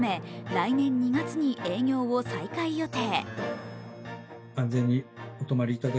来年２月に営業を再開予定。